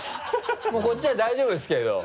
もうこっちは大丈夫ですけど。